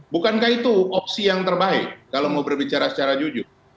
bukankah itu opsi yang terbaik kalau mau berbicara secara jujur